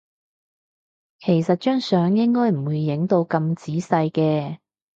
其實張相應該唔會影到咁仔細嘅